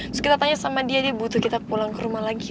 terus kita tanya sama dia deh butuh kita pulang ke rumah lagi